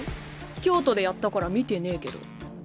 京都でやったから見てねぇけど。